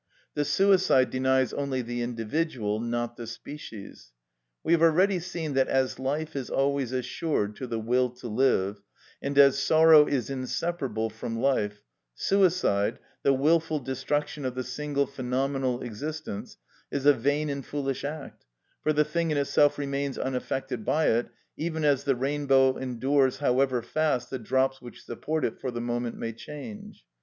The suicide denies only the individual, not the species. We have already seen that as life is always assured to the will to live, and as sorrow is inseparable from life, suicide, the wilful destruction of the single phenomenal existence, is a vain and foolish act; for the thing in itself remains unaffected by it, even as the rainbow endures however fast the drops which support it for the moment may change.